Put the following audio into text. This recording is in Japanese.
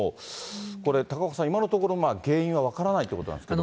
これ、高岡さん、今のところ、原因は分からないということなんですけど。